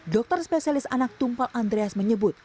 dokter spesialis anak tumpal andreas menyebut